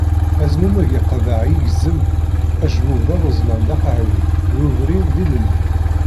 Azmumeg yeqḍeɛ igezzem, acebbub d awezzlan d aqehwi d ubrin, d ilelli.